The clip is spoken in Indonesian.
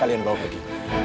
kalian bawa pergi